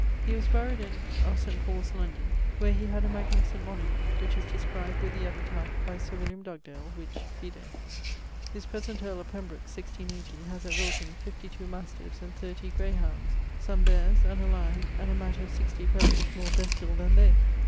He was buried in ... of St. Paule's, London, where he had a magnificent monument, which is described, with the epitaph, by Sir William Dugdale, which vide. This present earl of Pembroke (1680) has at Wilton 52 mastives and 30 grey hounds, some beares, and a lyon, and a matter of 60 fellowes more bestiall than they.